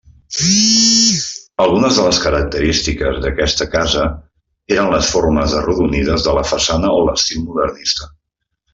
Algunes característiques d'aquesta casa eren les formes arrodonides de la façana o l'estil modernista.